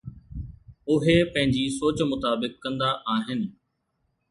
اهي پنهنجي سوچ مطابق ڪندا آهن.